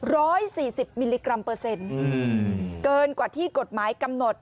ร้อยสี่สิบมิลลิกรัมเปอร์เซ็นต์อืมเกินกว่าที่กฎหมายกำหนด